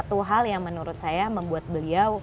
dan salah satu hal yang menurut saya membuat beliau bahagia